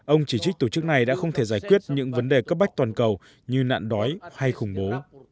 ông chỉ trích tổ chức này đã không thể giải quyết những vấn đề cấp bách toàn cầu như nạn đói hay khủng bố